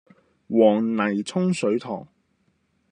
黃泥涌水塘